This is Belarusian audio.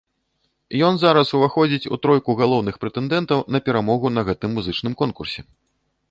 Ён зараз уваходзіць у тройку галоўных прэтэндэнтаў на перамогу на гэтым музычным конкурсе.